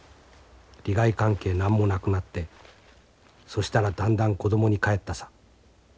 利害関係何もなくなってそしたらだんだん子供に返ったさ。